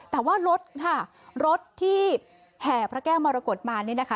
แต่ว่ารถค่ะรถที่แห่พระแก้วมรกฏมานี่นะคะ